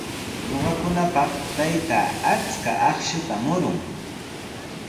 Ñuqakunapaq taytaa achka akshuta murun.